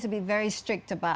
tetapi pemerintah harus